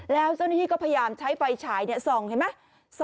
แล้วเจ้าหน้าที่ก็พยายามใช้ไฟฉายส่องเห็นไหม